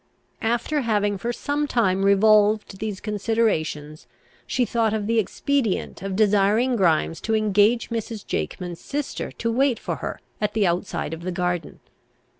After having for some time revolved these considerations, she thought of the expedient of desiring Grimes to engage Mrs. Jakeman's sister to wait for her at the outside of the garden.